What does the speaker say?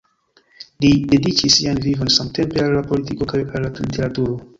Li dediĉis sian vivon samtempe al la politiko kaj al la literaturo.